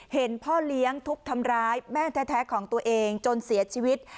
พ่อเลี้ยงทุบทำร้ายแม่แท้ของตัวเองจนเสียชีวิต